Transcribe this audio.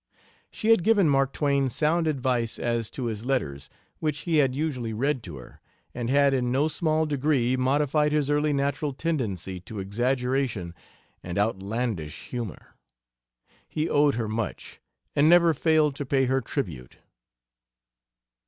She had given Mark Twain sound advice as to his letters, which he had usually read to her, and had in no small degree modified his early natural tendency to exaggeration and outlandish humor. He owed her much, and never failed to pay her tribute.